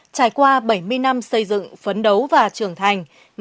trải qua bảy mươi năm xây dựng phấn đấu và trưởng thành